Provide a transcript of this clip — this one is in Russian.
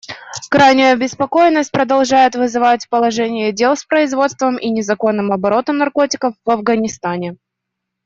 Крайнюю обеспокоенность продолжает вызывать положение дел с производством и незаконным оборотом наркотиков в Афганистане.